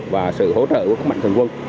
và sự hỗ trợ của các mạnh thường quân